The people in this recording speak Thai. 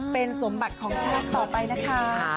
เป็นสมบัติของชาติต่อไปนะคะ